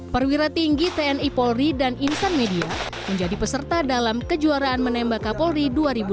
perwira tinggi tni polri dan insan media menjadi peserta dalam kejuaraan menembak kapolri dua ribu dua puluh